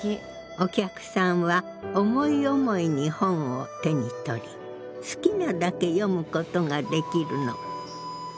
お客さんは思い思いに本を手に取り好きなだけ読むことができるの。